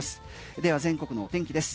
では全国の天気です。